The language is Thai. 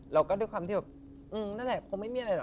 แล้วก็ด้วยความที่แบบนั่นแหละคงไม่มีอะไรห